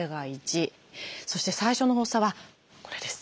そして最初の発作はこれです。